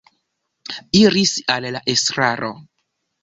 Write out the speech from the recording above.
Iris al la estraro.